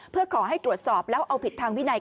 เพื่อขอให้ตรวจสอบแล้วเอาผิดทางวินัย